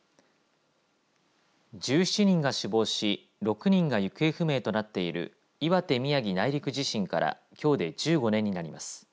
１７人が死亡し６人が行方不明となっている岩手・宮城内陸地震からきょうで１５年になります。